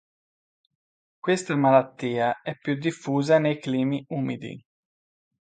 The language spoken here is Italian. Questa malattia è più diffusa nei climi umidi.